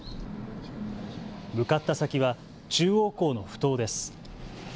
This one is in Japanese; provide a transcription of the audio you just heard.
向かった先は中央港のふ頭です。